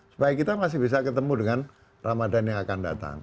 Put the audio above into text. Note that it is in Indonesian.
supaya kita masih bisa ketemu dengan ramadhan yang akan datang